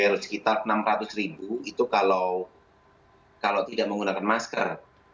rp enam ratus itu kalau tidak menggunakan masker